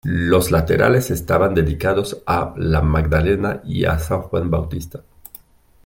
Los laterales estaban dedicados a la Magdalena y a San Juan Bautista.